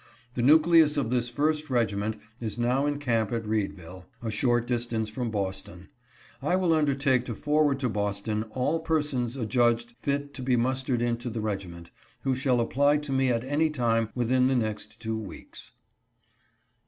The nucleus of this first regiment is now in camp at Readville, a short distance from Boston. I will undertake to for ward to Boston all persons adjudged fit to be mustered into the regi ment, who shall apply to me at any time within the next two weeks.